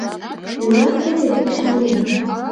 Кӧлан кодет ӱшанен?..